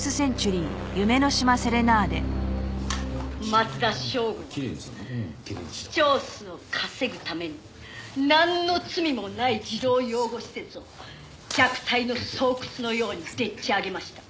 「松田省吾は視聴数を稼ぐためになんの罪もない児童養護施設を虐待の巣窟のようにでっち上げました」